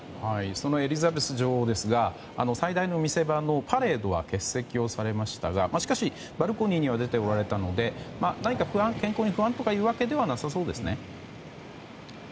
そのエリザベス女王ですが最大の見せ場のパレードは欠席をされましたがしかしバルコニーには出ておられたので何か健康に不安というわけではなさそうですね。